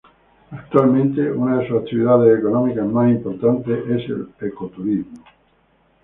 Actualmente una de sus actividades económicas más importantes es el ecoturismo.